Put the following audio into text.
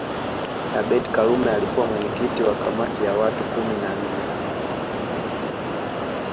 Abeid Karume alikuwa mwenyekiti wa kamati ya watu kumi na nne